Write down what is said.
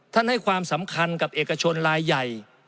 ให้ความสำคัญกับเอกชนลายใหญ่